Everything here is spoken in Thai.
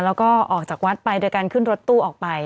แล้วก็ออกจากวัดไปโดยการขึ้นรถตู้ออกไป